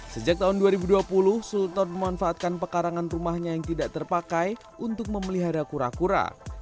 sejak tahun dua ribu dua puluh sultan memanfaatkan pekarangan rumahnya yang tidak terpakai untuk memelihara kura kura